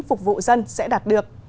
phục vụ dân sẽ đạt được